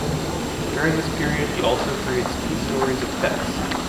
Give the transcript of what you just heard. During this period he also creates two stories of Tex.